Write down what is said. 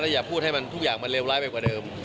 อย่าพูดให้มันทุกอย่างมันเลวร้ายไปกว่าเดิม